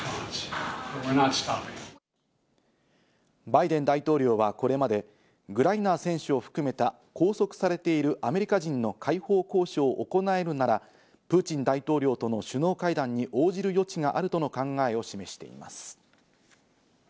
バイデン大統領はこれまで、グライナー選手を含めた拘束されているアメリカ人の解放交渉を行えるなら、プーチン大統領との首脳会談に応じる余地があるとの考えを示しています。